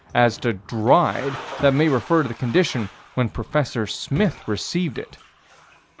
As to "dried," that may refer to condition when Prof. Smith received it.